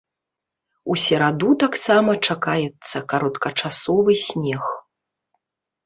У сераду таксама чакаецца кароткачасовы снег.